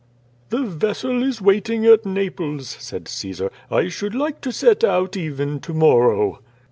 "The vessel is waiting at Naples," said Caesar. "I should like to set out even to morrow."